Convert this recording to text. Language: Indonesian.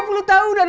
ya udah kemudian